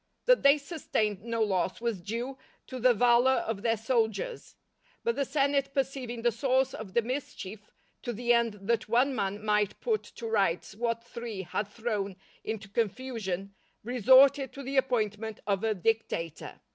That they sustained no loss was due to the valour of their soldiers But the senate perceiving the source of the mischief, to the end that one man might put to rights what three had thrown into confusion, resorted to the appointment of a dictator.